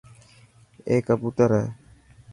اي ڪبوتر هي.